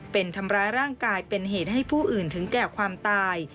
เป็นทำร้ายร่างกายเป็นเหตุให้ผู้อื่นถึงแก่ความตาย